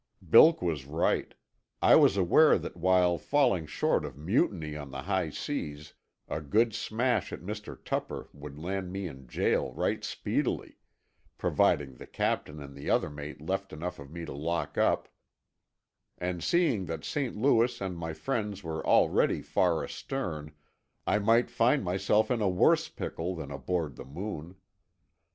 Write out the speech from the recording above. Bilk was right. I was aware that while falling short of mutiny on the high seas, a good smash at Mr. Tupper would land me in jail right speedily—providing the captain and the other mate left enough of me to lock up—and seeing that St. Louis and my friends were already far astern, I might find myself in a worse pickle than aboard the Moon.